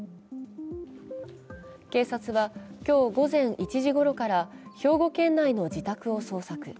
警察は今日午前１時ごろから兵庫県内の自宅を捜索。